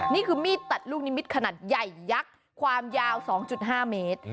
นี่คือมีดตัดลูกนิมิตขนาดใหญ่ยักษ์ความยาว๒๕เมตร